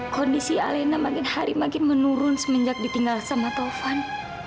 kondisi alena makin hari makin menurun semenjak ditinggal sama taufan